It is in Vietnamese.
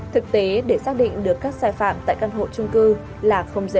thực tế để xác định được các sai phạm tại căn hộ trung cư là không dễ